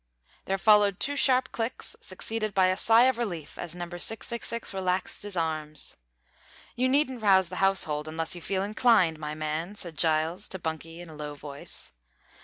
Then followed two sharp clicks, succeeded by a sigh of relief as Number 666 relaxed his arms. "You needn't rouse the household unless you feel inclined, my man," said Giles to Bunky in a low voice.